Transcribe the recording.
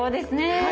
はい。